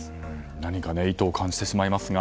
何か意図を感じてしまいますが。